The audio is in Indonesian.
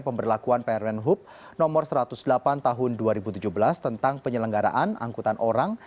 pemberlakuan prn hub no satu ratus delapan tahun dua ribu tujuh belas tentang penyelenggaraan angkutan orang